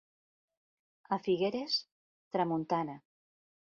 A Figueres, tramuntana.